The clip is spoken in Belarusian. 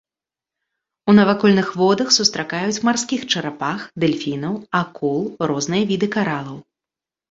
У навакольных водах сустракаюць марскіх чарапах, дэльфінаў, акул, розныя віды каралаў.